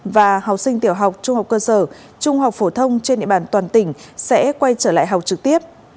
và học sinh tiểu học trung học cơ sở trung học phổ thông trên địa bàn toàn tỉnh sẽ quay trở lại học trực tiếp